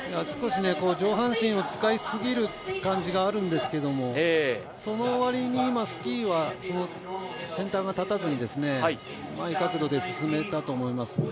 少し上半身を使いすぎる感じがあるんですが、その割にスキーは先端が立たずにうまい角度で進めたと思います。